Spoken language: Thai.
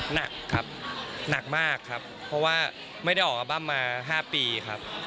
หนักครับหนักมากครับเพราะว่าไม่ได้ออกอัลบั้มมา๕ปีครับ